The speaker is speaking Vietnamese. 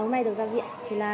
hôm nay được ra viện